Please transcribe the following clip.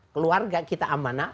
keluarga kita amanah